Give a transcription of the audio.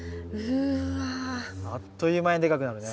あっという間にでかくなるね。